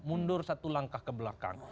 mundur satu langkah ke belakang